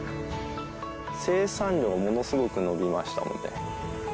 生産量がものすごく伸びましたので。